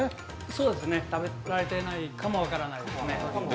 そうですね、食べられてないかも分からないですね。